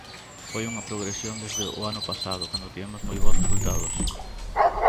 Foi unha progresión desde o ano pasado cando tivemos moi bos resultados.